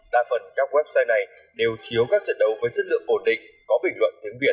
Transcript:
đa phần các website này đều chiếu các trận đấu với chất lượng ổn định có bình luận tiếng việt